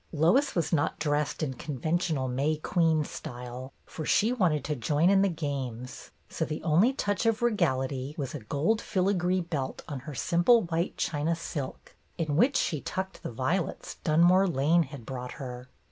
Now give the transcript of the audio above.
Lois was not dressed in conventional May Queen style, for she wanted to join in the games; so the only touch of regality was a gold filigree belt on her simple white China silk in which she tucked the violets Dunmore Lane had brought her.